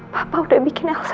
papa udah bikin elsa